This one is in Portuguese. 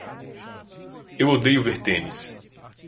Eu odeio ver tênis.